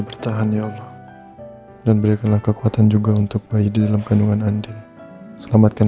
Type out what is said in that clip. bertahan ya allah dan berikanlah kekuatan juga untuk bayi di dalam kandungan andi selamatkan